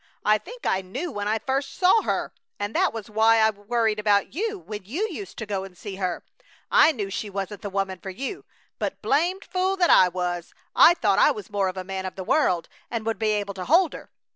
I think I knew when I first saw her, and that was why I worried about you when you used to go and see her. I knew she wasn't the woman for you. But, blamed fool that I was! I thought I was more of a man of the world, and would be able to hold her!